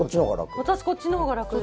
私、こっちのほうが楽です。